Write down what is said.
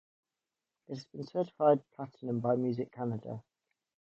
It has been certified Platinum by Music Canada.